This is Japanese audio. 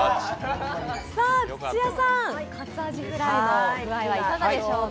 土屋さん、活あじふらいの具合はいかがでしょうか。